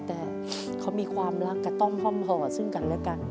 แต่เขามีความรักกับต้องห้อมห่อซึ่งกันและกัน